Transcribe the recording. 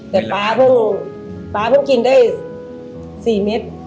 แต่ป๊าเพิ่งกินได้สี่เม็ด